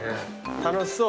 楽しそう。